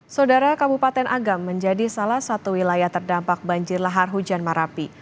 saudara kabupaten agam menjadi salah satu wilayah terdampak banjir lahar hujan marapi